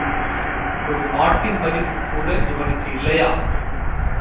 ஒரு மாட்டின் மதிப்புக்கூட இவனுக்கு இல்லையா?